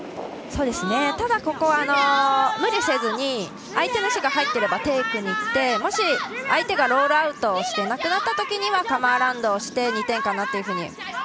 ただ、ここは無理せずに相手の石が入っていればテイクに行ってもし、相手がロールアウトしてなくなったときはカムアラウンドをして２点かなというふうに。